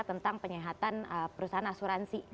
tentang penyehatan perusahaan asuransi